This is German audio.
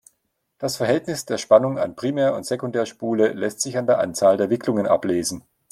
Das Verhältnis der Spannung an Primär- und Sekundärspule lässt sich an der Anzahl der Wicklungen ablesen.